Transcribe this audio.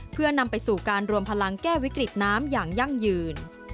เพื่อนำไปสู่การรวมพลังแก้วิกฤตน้ำอย่างยั่งยืน